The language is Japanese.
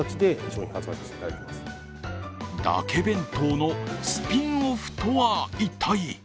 だけ弁当のスピンオフとは一体？